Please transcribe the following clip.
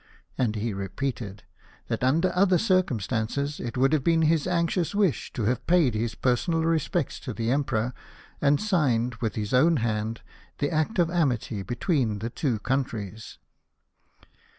And he repeated, " that, under other circumstances, it would have been his anxious wish to have paid his personal respects to the Emperor, and signed, with his own hand, the act of amity between the two countries."